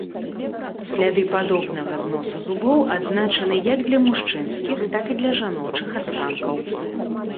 Сляды падобнага зносу зубоў адзначаны як для мужчынскіх, так і для жаночых астанкаў.